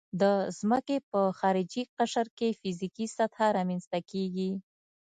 د ځمکې په خارجي قشر کې فزیکي سطحه رامنځته کیږي